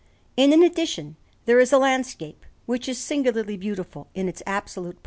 And in addition there is a landscape, which is singularly beautiful in its absolute perfection.